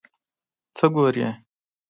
څه ګورې ؟